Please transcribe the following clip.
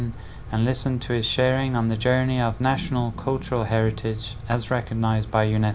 và nghe nói về hành trình của quốc gia nghiên cứu